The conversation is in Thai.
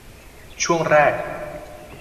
ช่วงแรก